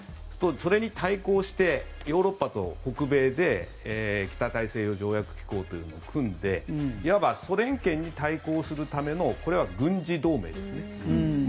それに対抗してヨーロッパと北米で北大西洋条約機構というのを組んでいわばソ連圏に対抗するためのこれは軍事同盟ですね。